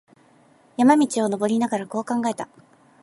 山路を登りながら、こう考えた。